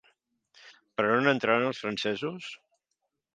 Per on entraren els francesos?